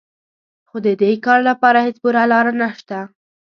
خو د دې کار لپاره هېڅ پوره لاره نهشته